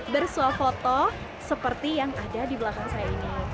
bersuah foto seperti yang ada di belakang saya ini